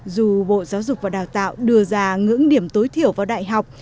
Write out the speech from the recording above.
dù bộ giáo dục và đào tạo đưa ra ngưỡng điểm tối thiểu vào đại học